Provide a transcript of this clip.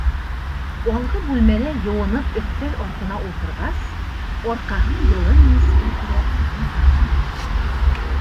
Алғы бүлмәлә йыуынып өҫтәл артына ултырғас, арҡаһын йылы мейескә терәп ҡатып ҡалды.